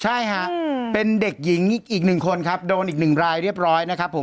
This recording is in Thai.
ใช่ฮะเป็นเด็กหญิงอีกหนึ่งคนครับโดนอีกหนึ่งรายเรียบร้อยนะครับผม